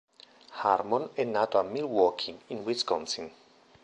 Harmon è nato a Milwaukee in Wisconsin.